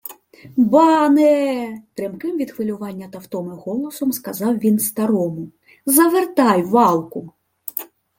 — Бане! — тремким від хвилювання та втоми голосом сказав він старому. — Завертай валку.